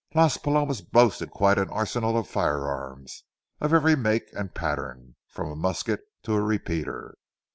Las Palomas boasted quite an arsenal of firearms, of every make and pattern, from a musket to a repeater.